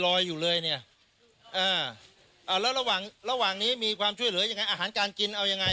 อยู่เลยเนี่ยอ่าแล้วระหว่างระหว่างนี้มีความช่วยเหลือยังไงอาหารการกินเอายังไง